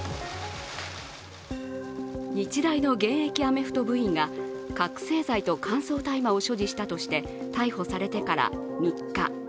日大の現役アメフト部員が覚醒剤と乾燥大麻を所持したとして逮捕されてから３日。